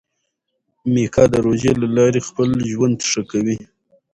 میکا د روژې له لارې خپل ژوند ښه کوي.